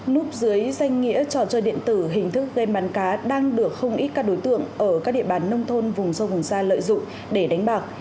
núp dưới danh nghĩa trò chơi điện tử hình thức gam bán cá đang được không ít các đối tượng ở các địa bàn nông thôn vùng sâu vùng xa lợi dụng để đánh bạc